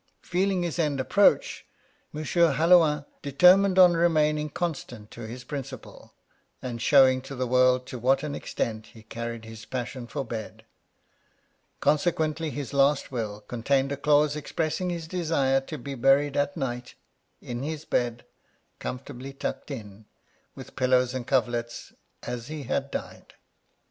Feeling his end approach, M. Halloin determined on remaining constant to his principle, and showing to the world to what an extent he carried his passion for bed. Consequently, his last will contained a clause expressing his desire to be buried at night, in his bed, comfortably tucked in, with pillows and coverlets as he had died.